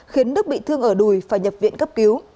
khiến đức bị thương ở đùi phải nhập viện cấp cứu